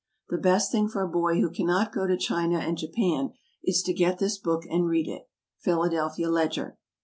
_ The best thing for a boy who cannot go to China and Japan is to get this book and read it. _Philadelphia Ledger.